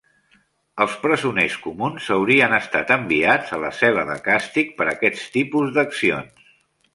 Els presoners comuns haurien estat enviats a la cel·la de càstig per aquest tipus d'accions.